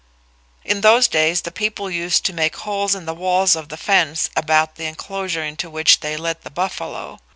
In those days the people used to make holes in the walls of the fence about the enclosure into which they led the buffalo.